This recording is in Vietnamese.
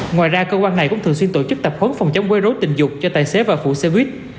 ngoài ra cơ quan này cũng thường xuyên tổ chức tập huấn phòng chống quây rối tình dục cho tài xế và phụ xe buýt